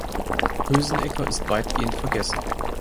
Poesenecker ist weitgehend vergessen.